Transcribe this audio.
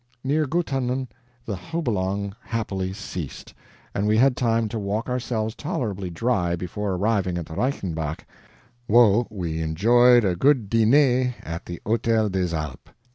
Near Guttanen the HABOOLONG happily ceased, and we had time to walk ourselves tolerably dry before arriving at Reichenback, WO we enjoyed a good DINÉ at the Hotel des Alps.